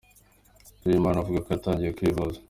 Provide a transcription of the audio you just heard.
Uwimana avuga ko yatangiye kwivuza.